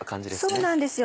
そうなんですよ。